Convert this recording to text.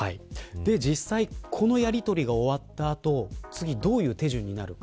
実際、このやりとりが終わった後次、どういう手順になるか。